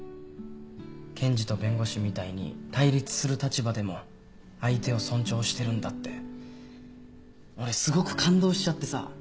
検事と弁護士みたいに対立する立場でも相手を尊重してるんだって俺すごく感動しちゃってさ。